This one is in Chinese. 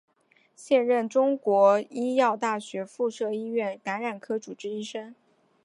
现任中国医药大学附设医院感染科主治医师。